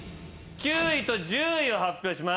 ９位と１０位を発表します。